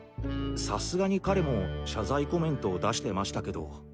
さすがに彼も謝罪コメントを出してましたけど。